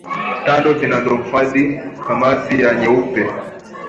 Tando zinazohifadhi kamasi kuwa nyeupe